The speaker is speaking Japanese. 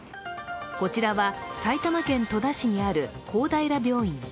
こちらは埼玉県戸田市にある公平病院。